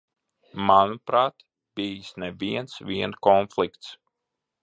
Manuprāt, bijis ne viens vien konflikts.